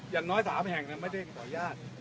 อย่างน้อย๓แห่งไม่ได้ขออนุญาต